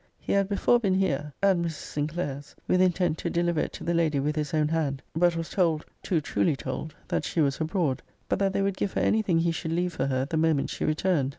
He had before been here (at Mrs. Sinclair's with intent to deliver it to the lady with his own hand; but was told [too truly told!] that she was abroad; but that they would give her any thing he should leave for her the moment she returned.)